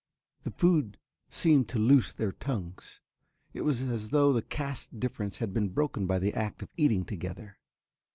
The food seemed to loose their tongues. It was as though the caste difference had been broken by the act of eating together.